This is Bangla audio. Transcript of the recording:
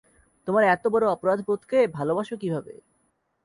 তোমার এত বড় অপরাধবোধকে ভালোবাসো কিভাবে!